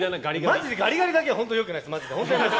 マジでガリガリだけはよくないです！